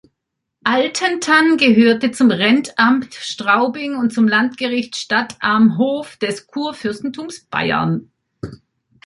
Altenthann gehörte zum Rentamt Straubing und zum Landgericht Stadtamhof des Kurfürstentums Bayern.